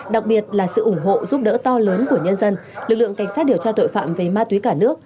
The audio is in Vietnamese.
đặc biệt là sự ủng hộ giúp đỡ to lớn của nhân dân lực lượng cảnh sát điều tra tội phạm về ma túy cả nước